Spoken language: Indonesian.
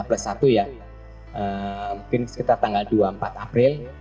mungkin sekitar tanggal dua puluh empat april